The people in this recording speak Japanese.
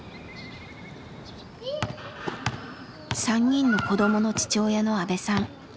３人の子どもの父親の阿部さん。